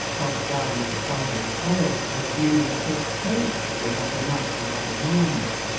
clotbe gownes of dyvers coloures, and as manye silke cootes be not enougbe for one man.